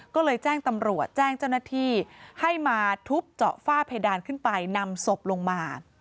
ก็เลยแจ้งตำรวจแจ้งเจ้าหน้าที่ให้มาทุบเจาะฝ้าเพดานขึ้นไปนำศพลงมา